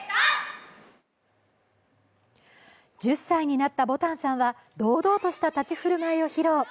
１０歳になったぼたんさんは堂々とした立ち振る舞い披露。